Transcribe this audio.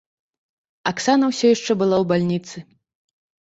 Аксана ўсё яшчэ была ў бальніцы.